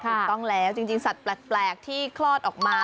ถูกต้องแล้วจริงสัตว์แปลกที่คลอดออกมา